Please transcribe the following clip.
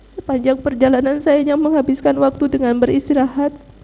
sepanjang perjalanan saya hanya menghabiskan waktu dengan beristirahat